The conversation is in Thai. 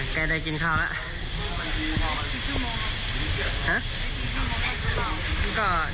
แกได้กินข้าวแล้ว